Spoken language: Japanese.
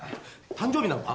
誕生日なのか？